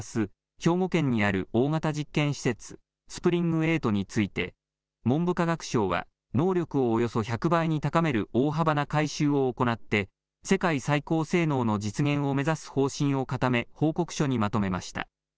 兵庫県にある大型実験施設、ＳＰｒｉｎｇ−８について文部科学省は能力をおよそ１００倍に高める大幅な改修を行って世界最高性能の実現を目指す方針を固め報告書にまとめました。